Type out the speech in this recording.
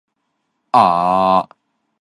獨自怎生得黑！